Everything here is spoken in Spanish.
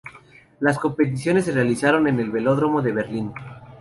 Las competiciones se realizaron en el Velódromo de Berlín.